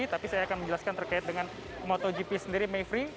tapi saya akan menjelaskan terkait dengan motogp sendiri mayfrey